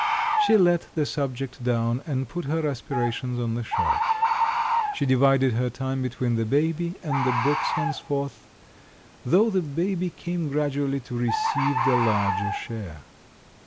She let the subject down, and put her aspirations on the shelf. She divided her time between the baby and the books henceforth, though the baby came gradually to receive the larger share.